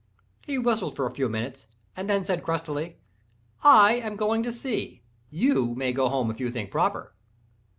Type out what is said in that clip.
He whistled for a few minutes, and then said crustily: "I am going to sea—you may go home if you think proper."